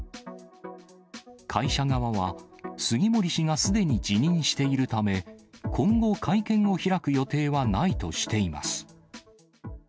会社側は、杉森氏がすでに辞任しているため、今後、会見を開く予定はないとしています。